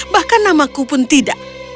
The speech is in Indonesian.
bahkan namaku pun tidak